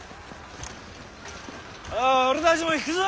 おう俺たちも引くぞ！